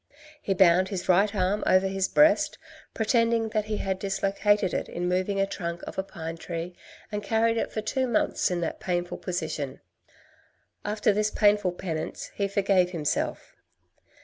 He bound his right arm over his breast, pretending that he had dislocated it in moving a trunk of a pine tree and carried it for two months in that painful position. After this painful penance, he forgave himself.